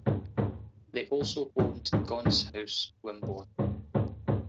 They also owned Gaunts House, Wimborne.